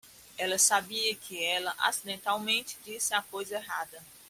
Ela sabia que ela acidentalmente disse a coisa errada.